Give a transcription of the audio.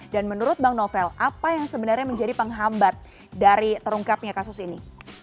dan menurut bang novel apa yang sebenarnya menjadi penghambat dari terungkapnya kasus ini